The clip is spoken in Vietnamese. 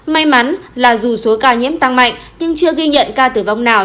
may mắn là dù số ca nhiễm tăng mạnh nhưng chưa ghi nhận ca tử vong nào